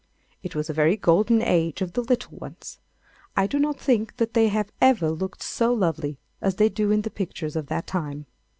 It was a very golden age of the little ones. I do not think that they have ever looked so lovely as they do in the pictures of that time.